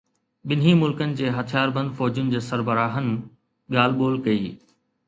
ٻنهي ملڪن جي هٿياربند فوجن جي سربراهن ڳالهه ٻولهه ڪئي